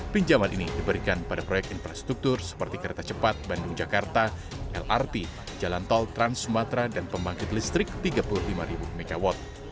pinjaman ini diberikan pada proyek infrastruktur seperti kereta cepat bandung jakarta lrt jalan tol trans sumatera dan pembangkit listrik tiga puluh lima mw